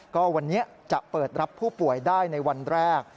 ก็วันนี้จะเปิดรับผู้ป่วยได้ในวันแรก